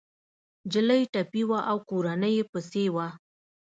انجلۍ ټپي وه او کورنۍ يې پسې وه